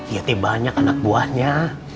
ya banyak anak buahnya